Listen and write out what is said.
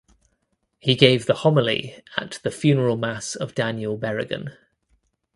He gave the homily at the funeral Mass of Daniel Berrigan.